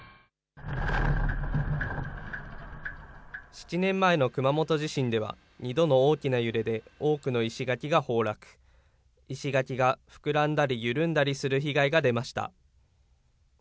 ７年前の熊本地震では、２度の大きな揺れで多くの石垣が崩落、石垣が膨らんだり緩んだりする被害が出ました。